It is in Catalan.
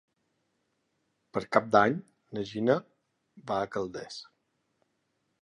Per Cap d'Any na Gina va a Calders.